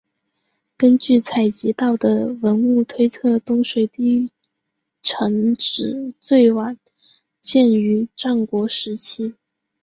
根据采集到的文物推测东水地城址最晚建于战国时期。